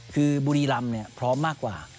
คือบุรีรำพร้อมมากกว่า